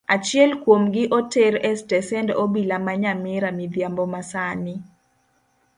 Achiel kuomgi oter estesend obila ma nyamira midhiambo masani.